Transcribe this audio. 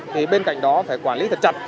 thì bên cạnh đó phải quản lý thật chặt